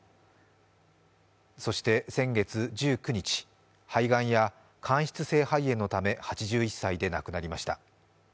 そして先月１９日、肺がんや間質性肺炎のため、８１歳で亡くなりました。